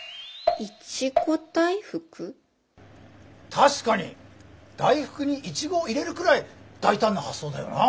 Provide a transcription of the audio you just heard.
確かに大福にいちごを入れるくらい大胆な発想だよな。